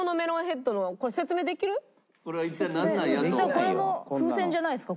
これも風船じゃないですか？